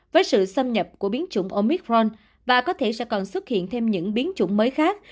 với sự xâm nhập của biến chủng omitron và có thể sẽ còn xuất hiện thêm những biến chủng mới khác